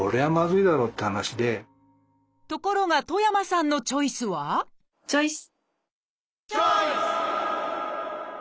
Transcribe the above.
ところが戸山さんのチョイスはチョイス！